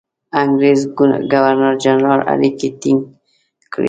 انګرېز ګورنرجنرال اړیکې ټینګ کړي.